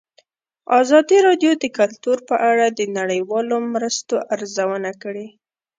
ازادي راډیو د کلتور په اړه د نړیوالو مرستو ارزونه کړې.